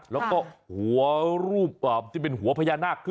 แล้วก็หัวรูปที่เป็นหัวพญานาค